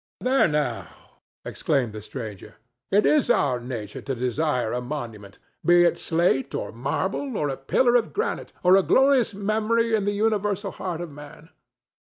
"There, now!" exclaimed the stranger; "it is our nature to desire a monument, be it slate or marble, or a pillar of granite, or a glorious memory in the universal heart of man."